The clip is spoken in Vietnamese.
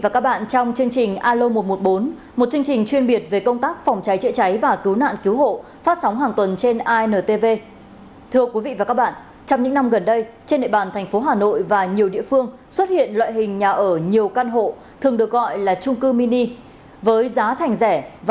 các bạn hãy đăng ký kênh để ủng hộ kênh của chúng mình nhé